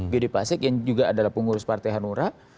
gede pasek yang juga adalah pengurus partai hanura